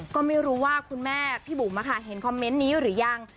ก็ไม่รู้ว่าคุณแม่พี่บุ๋มเห็นคอมเมนต์นี้หรือยัง